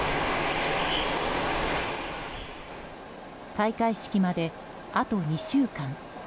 開会式まで、あと２週間。